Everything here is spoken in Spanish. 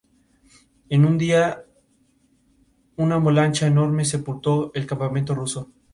Han pasado varios años desde que creara su último trabajo universitario de gran relevancia.